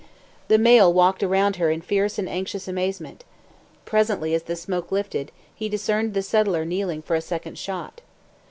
The male walked around her in fierce and anxious amazement. Presently, as the smoke lifted, he discerned the settler kneeling for a second shot.